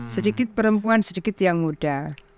sedikit perempuan sedikit yang muda